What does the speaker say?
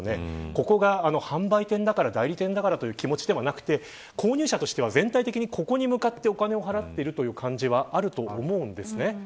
ここが販売店だから代理店だからという気持ちではなくて購入者としては全体的にここに向かってお金を払っているという感じはあると思うんですね。